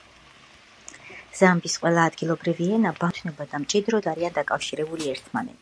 ზამბიის ყველა ადგილობრივი ენა ბანტუს ენების ოჯახს მიეკუთვნება და მჭიდროდ არიან დაკავშირებული ერთმანეთთან.